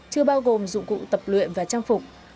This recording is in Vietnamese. chưa bao gồm dụng cụ tập luyện và trang phục